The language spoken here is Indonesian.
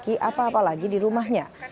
mereka juga tidak memiliki apa apa lagi di rumahnya